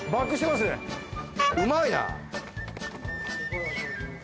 うまいな。